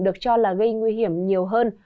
được cho là gây nguy hiểm nhiều hơn